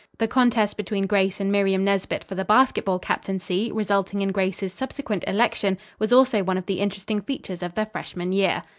The contest between Grace and Miriam Nesbit for the basketball captaincy, resulting in Grace's subsequent election, was also one of the interesting features of the freshman year.